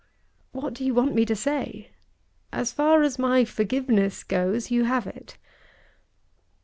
"What do you want me to say? As far as my forgiveness goes, you have it!"